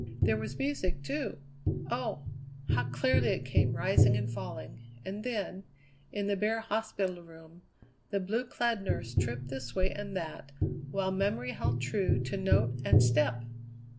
There was music, too! Oh! how clearly it came rising and falling; and then, in the bare hospital room, the blue clad nurse tripped this way and that, while memory held true to note and step!